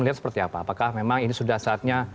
apakah ini sudah saatnya